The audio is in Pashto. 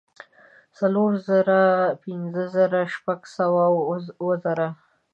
څلور زره پنځۀ زره شپږ زره اووه زره